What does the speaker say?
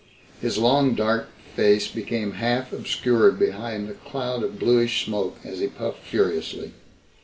His long dark face became half obscured behind a cloud of bluish smoke as he puffed furiously.